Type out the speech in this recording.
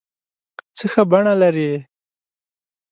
څه ښه بڼه لرې